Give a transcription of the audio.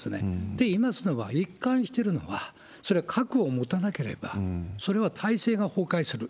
っていいますのは、一貫してるのは、それは核を持たなければ、それは体制が崩壊する。